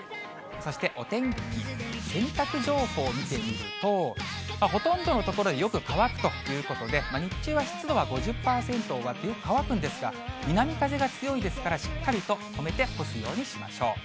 そしてお天気、洗濯情報見てみると、ほとんどの所でよく乾くということで、日中は湿度は５０％を割って、乾くんですが、南風が強いですからしっかりと留めて干すようにしましょう。